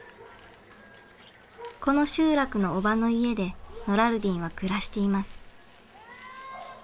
この集落の叔母の家でノラルディンは暮らしています。